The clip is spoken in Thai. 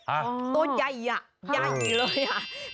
ตัวใหญ่อ่ะใหญ่เลยอ่ะ